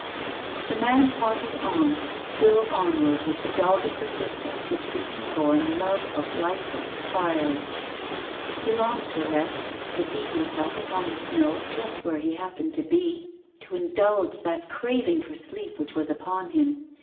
The man tottered on, still onward with the dogged persistence which the inborn love of life inspires. He longed to rest, to seat himself upon the snow just where he happened to be, to indulge that craving for sleep which was upon him.